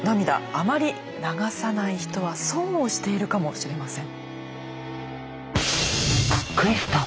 あまり流さない人は損をしているかもしれません。